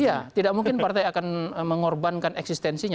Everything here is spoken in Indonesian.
iya tidak mungkin partai akan mengorbankan eksistensinya